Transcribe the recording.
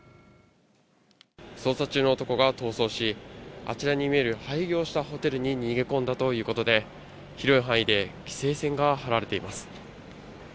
捜査中の男が逃走し、あちらに見える廃業したホテルに逃げ込んだということで、広い範囲で規制線が張られています。